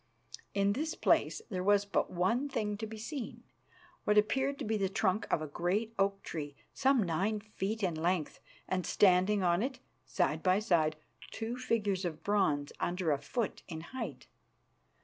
In this place there was but one thing to be seen: what appeared to be the trunk of a great oak tree, some nine feet in length, and, standing on it, side by side, two figures of bronze under a foot in height.